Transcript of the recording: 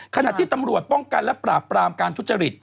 ขณะที่ตำรวจป้องกันและปราบปรามการทุจริต